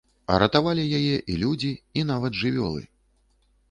А ратавалі яе і людзі, і нават жывёлы!